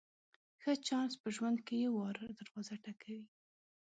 ښه چانس په ژوند کې یو وار دروازه ټکوي.